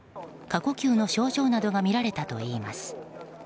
過呼吸の症状などが見られたといいます。